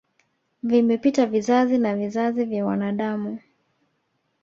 Vimepita vizazi na vizazi vya wanadamu